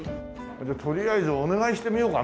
じゃあとりあえずお願いしてみようかな。